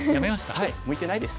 はい向いてないです。